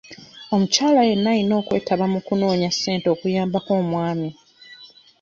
Omukyala yenna ayina okwetaba mu kunoonya ssente okuyambako omwami.